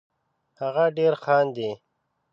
هغه ډېر خاندي